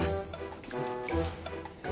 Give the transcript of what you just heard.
aku pasti denger